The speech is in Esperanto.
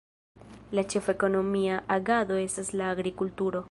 La ĉefa ekonomia agado estas la agrikulturo.